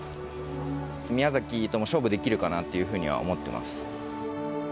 宮崎とも勝負できるかなっていうふうには思ってます。